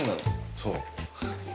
そう。